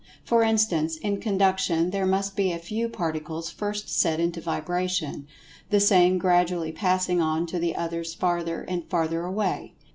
For instance, in Conduction there must be a few Particles first set into vibration, the same gradually passing on to the others farther, and farther away.